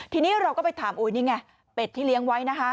ทีนี้เราก็ไปถามนี่ไงเป็ดที่เลี้ยงไว้นะคะ